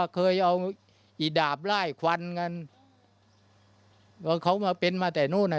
เคยเอาอีดาบไล่ควันกันเค้ามาเป็นมาแต่โน่นนะ